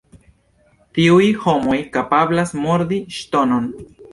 Tiuj homoj kapablas mordi ŝtonon!